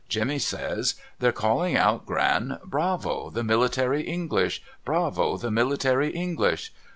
Jemmy says, ' They're calling out Gran, Bravo the Military Knglish ! Bravo the Military English